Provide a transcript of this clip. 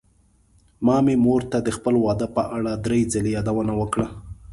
ما مې مور ته د خپل واده په اړه دری ځلې يادوونه وکړه.